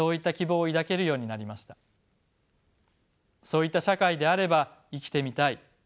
そういった社会であれば生きてみたい。